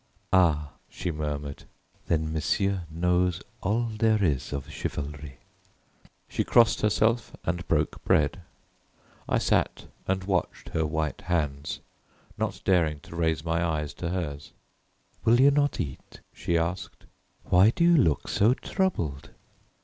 "Ah!" she murmured. "Then Monsieur knows all that there is of chivalry " She crossed herself and broke bread. I sat and watched her white hands, not daring to raise my eyes to hers. "Will you not eat?" she asked. "Why do you look so troubled?"